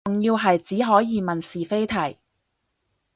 仲要係只可以問是非題